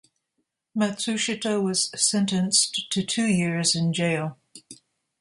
Matsushita was sentenced to two years in jail.